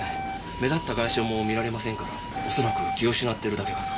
目立った外傷も見られませんから恐らく気を失ってるだけかと。